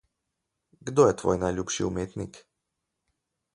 Kdo je tvoj najljubši umetnik?